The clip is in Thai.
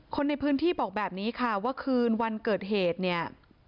คนในพื้นที่บอกแบบนี้ค่ะว่าคืนวันเกิดเหตุเนี่ย